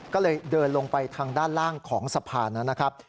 ก็เลยเดินลงไปทางด้านล่างของสะพานนะครับ